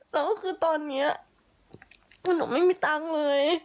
แล้วก็คือตอนนี้คือหนูไม่มีตังค์เลย